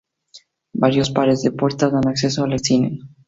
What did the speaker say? Varios pares de puertas dan acceso al cine.